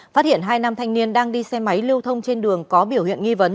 phát hiện hai nam thanh niên đang đi xe máy lưu thông trên đường có biểu hiện nghi vấn